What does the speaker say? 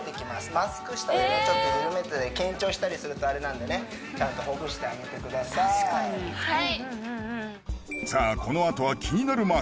マスク下でちょっとゆるめて緊張したりするとあれなんでねちゃんとほぐしてあげてください